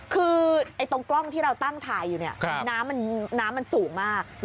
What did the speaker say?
คือตรงกล้องที่เราตั้งถ่ายอยู่เนี่ยน้ำมันสูงมาก